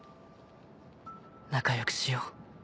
仲良くしよう。